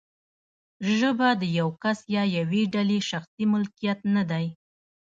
ژبه د یو کس یا یوې ډلې شخصي ملکیت نه دی.